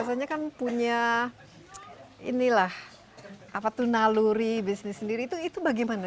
biasanya kan punya inilah apa tuh naluri bisnis sendiri itu bagaimana